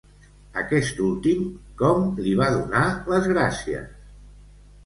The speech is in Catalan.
Aquest últim, com li va donar les gràcies?